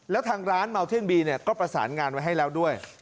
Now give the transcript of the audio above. แล้วทางร้านเมาเท่นบีก็ประสานงานไว้ให้แล้วด้วย